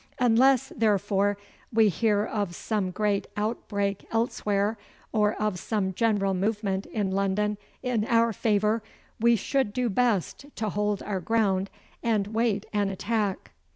Unless, therefore, we hear of some great outbreak elsewhere, or of some general movement in London in our favour, we would do best to hold our ground and wait an attack.